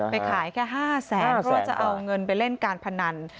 ขายแค่๕แสนเพื่อจะเอาเงินไปเล่นการพนัน